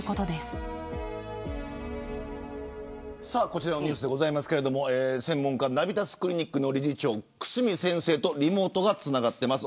こちらのニュースですが専門家のナビタスクリニックの理事長久住先生とリモートがつながっています。